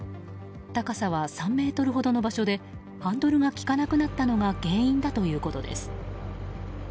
高さは３ｍほどの場所でハンドルが利かなくなったのが原因だということです。